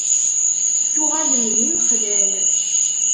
Tuɣalem d imexlal?